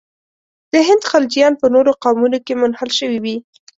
د هند خلجیان په نورو قومونو کې منحل شوي وي.